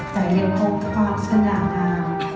แต่ยังพบความสนานา